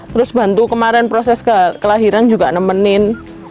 terus bantu kemarin proses kelahiran juga nemenin